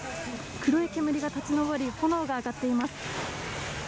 黒い煙が立ち上り、炎が上がっています。